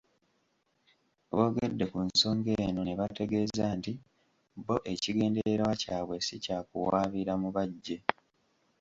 Boogedde ku nsonga eno ne bategeeza nti bo ekigendererwa kyabwe si kyakuwaabira Mubajje .